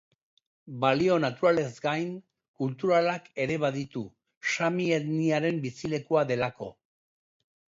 Balio naturalez gain, kulturalak ere baditu: sami etniaren bizilekua delako.